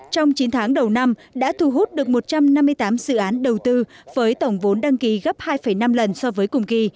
trong chín tháng đầu năm đã thu hút được một trăm năm mươi tám dự án đầu tư với tổng vốn đăng ký gấp hai năm lần so với cùng kỳ